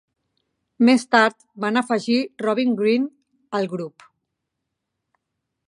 Més tard van afegir Robin Green al grup.